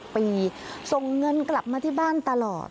ปีส่งเงินกลับมาที่บ้านตลอด